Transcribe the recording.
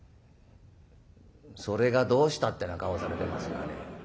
「それがどうした」ってな顔されてますがね